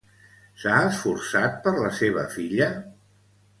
S'ha esforçat per la seva filla?